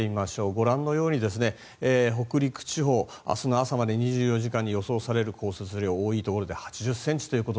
ご覧のように北陸地方明日の朝まで２４時間に予想される降雪量多いところで８０ｃｍ。